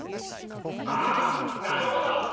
ああなるほど。